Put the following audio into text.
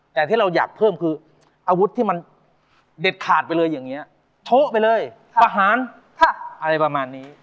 แต่ที่เราอยากเพิ่มคืออาวุธที่มันเด็ดขาดไปเลยอย่างนี้โช๊ะไปเลยประหารอะไรประมาณนี้